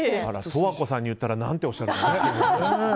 十和子さんに言ったら何ておっしゃるか。